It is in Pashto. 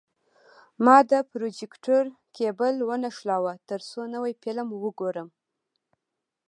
ما د پروجیکتور کیبل ونښلاوه، ترڅو نوی فلم وګورم.